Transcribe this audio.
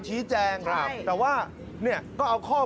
พี่เอามาเป็นสัตว์